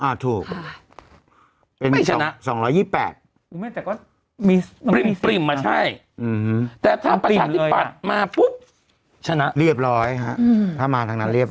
อ่ะถูกแม่ง๒๒๘มีมีมาใช่ถ้ามาปุ๊บละเรียบร้อยหาถ้ามาทางนั้น